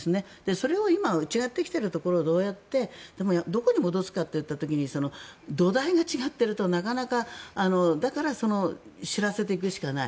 それが今違ってきているところをどうやってどこに戻すかといった時に土台が違っているとなかなかだから知らせていくしかない。